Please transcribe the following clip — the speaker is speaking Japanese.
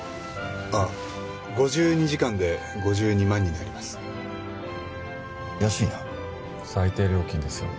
あっ５２時間で５２万になります。